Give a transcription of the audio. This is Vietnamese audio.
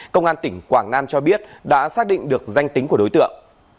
công an tỉnh quảng nam cho biết đã xác định được danh tính của đối tượng